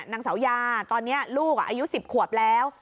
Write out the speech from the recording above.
นางสาวยาตอนเนี้ยลูกอ่ะอายุสิบขวบแล้ว